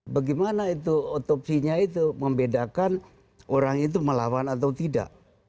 bagaimana itu otopsinya itu membedakan orang itu melawan atau tidak